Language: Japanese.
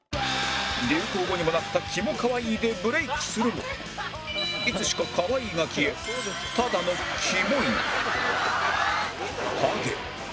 流行語にもなった「キモカワイイ」でブレイクするもいつしか「カワイイ」が消えただの「キモイ」に